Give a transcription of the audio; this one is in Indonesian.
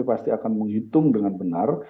pasti akan menghitung dengan benar